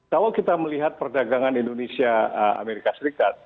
kalau kita melihat perdagangan indonesia amerika serikat